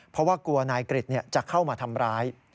เพราะว่ากลัวนายกริจจะเข้ามาทำร้าย